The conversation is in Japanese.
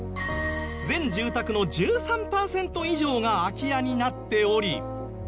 全住宅の１３パーセント以上が空き家になっており。